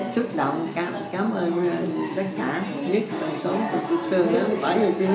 sức động cao